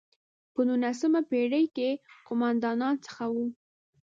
په نولسمه پېړۍ کې قوماندانانو څخه وو.